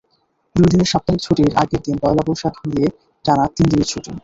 দুই দিনের সাপ্তাহিক ছুটির আগের দিন পয়লা বৈশাখ মিলিয়ে টানা তিন দিনের ছুটি।